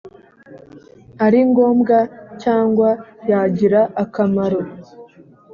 ari ngombwa cyangwa yagira akamaro